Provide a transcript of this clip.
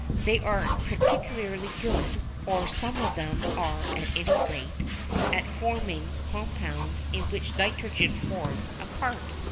They are particularly good, or some of them are at any rate, at forming compounds in which nitrogen forms a part.